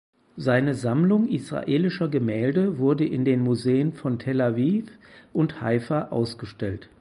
Seine Sammlung israelischer Gemälde wurde in den Museen von Tel Aviv und Haifa ausgestellt.